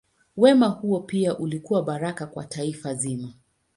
Wema huo pia ulikuwa baraka kwa taifa zima.